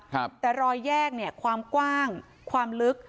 ครับแต่รอยแยกเนี่ยความกว้างความลึก